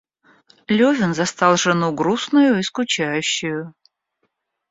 Левин застал жену грустною и скучающею.